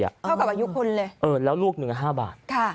เท่ากับอายุคุณเลยแล้วลูกหนึ่ง๕บาท